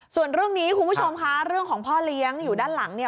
ส่วนเรื่องนี้คุณผู้ชมค่ะเรื่องของพ่อเลี้ยงอยู่ด้านหลังเนี่ย